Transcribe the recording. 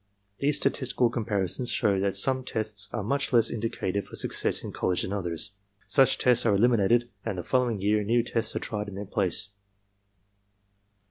These statistical comparisons show that some tests are much less indicative of success in college than others. Such tests are eliminated and the following year new tests are tried in their place.